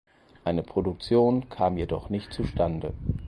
Eine Produktion kam jedoch nicht zustande.